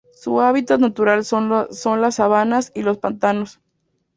Su hábitat natural son las sabanas y los pantanos.